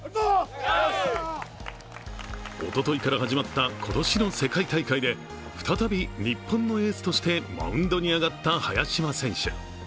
おとといから始まった今年の世界大会で再び日本のエースとしてマウンドに上がった早嶋選手。